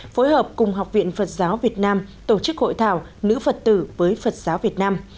phối hợp cùng học viện phật giáo việt nam tổ chức hội thảo nữ phật tử với phật giáo việt nam